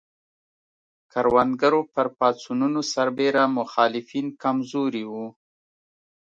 کروندګرو پر پاڅونونو سربېره مخالفین کم زوري وو.